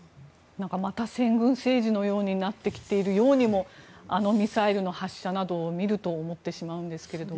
また先軍政治のようになってきているようにもあのミサイルの発射などを見ると思ってしまうんですけれども。